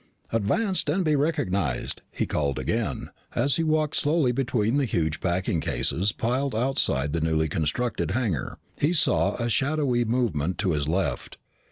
"Advance and be recognized," he called again. As he walked slowly between the huge packing cases piled outside the newly constructed hangar, he saw a shadowy movement to his left.